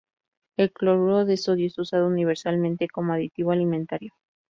El cloruro de sodio es usado universalmente como aditivo alimentario.